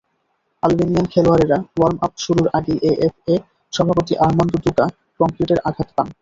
Albanian খেলোয়াড়েরা warm-up শুরুর আগেই AFA সভাপতি আর্মান্দো দুকা কংক্রিটের আঘাত পান।